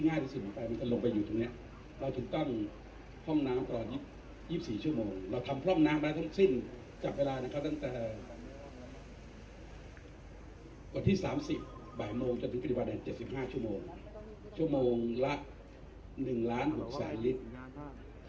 หลายโมงจะถึงกริจวันแดดเจ็บสิบห้าชั่วโมงชั่วโมงละหนึ่งล้านหกสายลิตร